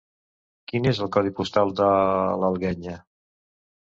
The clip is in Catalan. Quin és el codi postal de l'Alguenya?